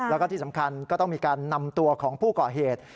แล้วก็ที่สำคัญก็ต้องมีการนำตัวของผู้ก่อเหตุ